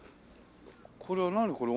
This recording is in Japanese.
これは何これ？